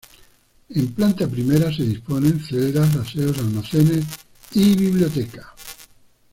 En planta primera se disponen celdas, aseos, almacenes y biblioteca.